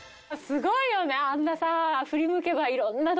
すごいですよね。